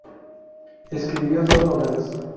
Escribió dos novelas.